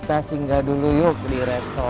yang menjaga keamanan bapak reno